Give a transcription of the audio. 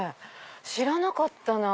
知らなかったなぁ。